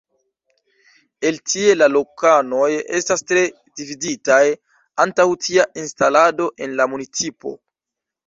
El tie la lokanoj estas tre dividitaj antaŭ tia instalado en la municipo.